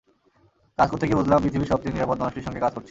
কাজ করতে গিয়ে বুঝলাম, পৃথিবীর সবচেয়ে নিরাপদ মানুষটির সঙ্গে কাজ করছি।